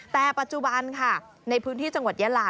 แต่ปัจจุบันค่ะในพื้นที่จังหวัดยาลา